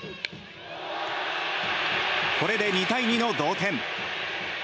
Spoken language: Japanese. これで２対２の同点。